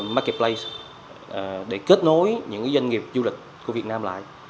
marketplace để kết nối những doanh nghiệp du lịch của việt nam lại